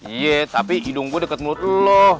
iya tapi hidung gue deket menurut lo